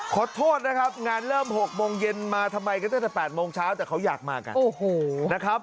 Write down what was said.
ขอโทษนะครับงานเริ่มเดียว๖โมงเย็นมาทำไมกันถ้าแต่๘โมงเช้าแต่เค้าอยากมากัน